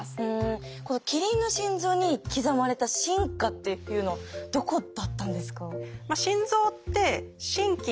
キリンの心臓に刻まれた進化っていうのはどこだったんですか？